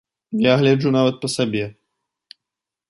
Я гляджу нават па сабе.